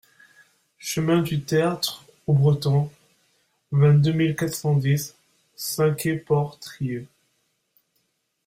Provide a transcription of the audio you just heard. Chemin du Tertre au Breton, vingt-deux mille quatre cent dix Saint-Quay-Portrieux